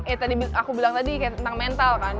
eh tadi aku bilang tadi kayak tentang mental kan